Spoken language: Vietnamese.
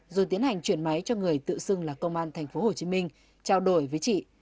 rồi tiến hành chuyển máy cho người tự xưng là công an thành phố hồ chí minh trao đổi với chị